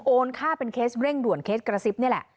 ค่าเป็นเคสเร่งด่วนเคสกระซิบนี่แหละ